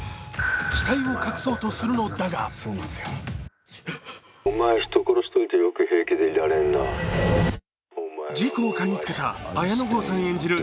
死体を隠そうとするのだが事故をかぎつけた綾野剛さん演じる